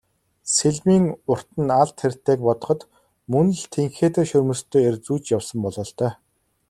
Сэлмийн урт нь алд хэртэйг бодоход мөн л тэнхээтэй шөрмөстэй эр зүүж явсан бололтой.